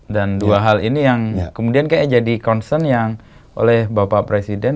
dan dua hal ini yang kemudian kayak jadi concern yang oleh bapak presiden